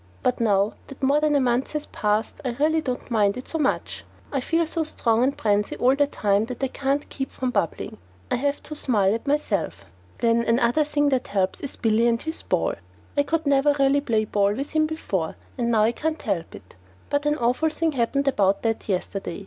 But now that more than a month has passed, I really don't mind it so much. I feel so strong and prancy all the time that I can't keep from bubbling. I have to smile at myself. Then another thing that helps is Billy and his ball. I never could really play with him before, but now I can't help it. But an awful thing happened about that yesterday.